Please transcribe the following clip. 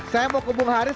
saya mau hubung haris